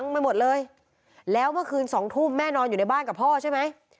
เมื่อคืน๒ทุ่มแม่นอนอยู่ในบ้านกับพ่อใช่ไหม